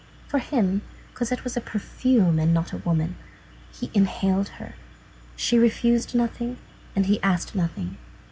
For him, Cosette was a perfume and not a woman. He inhaled her. She refused nothing, and he asked nothing.